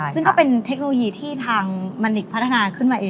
ซึ่งก็เป็นเทคโนโลยีที่ทางมันนิกพัฒนาขึ้นมาเอง